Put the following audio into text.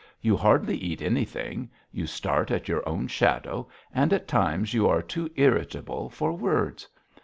You hardly eat anything, you start at your own shadow, and at times you are too irritable for words.